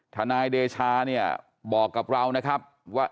ทนายเดชาเนี่ยบอกกับเรานะครับว่า